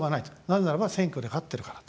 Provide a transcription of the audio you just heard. なぜならば選挙で勝ってるから。